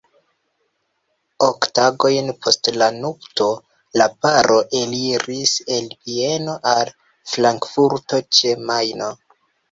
Ok tagojn post la nupto, la paro eliris el Vieno al Frankfurto ĉe Majno.